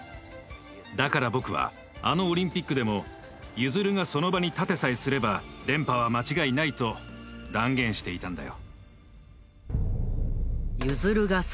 だから僕はあのオリンピックでもユヅルがその場に立てさえすれば連覇は間違いないと断言していたんだよ。